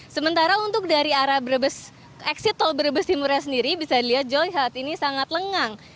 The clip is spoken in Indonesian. sementara untuk dari arah exit tol brebes timurnya sendiri bisa dilihat joy saat ini sangat lengang